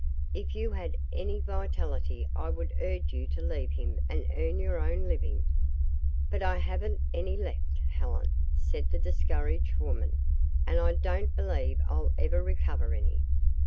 If you had any vitality I would urge you to leave him and earn your own living." "But I haven't any left, Helen," said the discouraged woman; "and I don't believe I'll ever recover any.